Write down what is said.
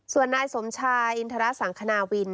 ส่วนนายสมชายอินทรสังคณาวิน